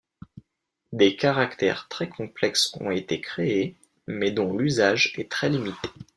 Des caractères très complexes ont été créés, mais dont l'usage est très limité.